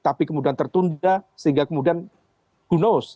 tapi kemudian tertunda sehingga kemudian who knows